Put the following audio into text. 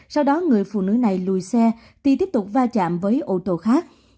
sau đó người phụ nữ này lùi xe thì tiếp tục va chạm với ô tô khác